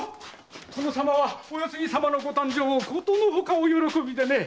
殿様はお世継ぎ様のご誕生をことのほかお喜びでね。